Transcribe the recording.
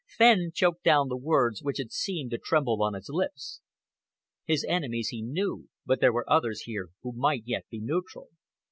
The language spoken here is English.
Fenn choked down the words which had seemed to tremble on his lips. His enemies he knew, but there were others here who might yet be neutral.